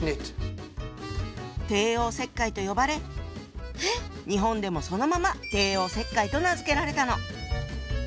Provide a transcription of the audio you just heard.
「帝王切開」と呼ばれ日本でもそのまま「帝王切開」と名付けられたの。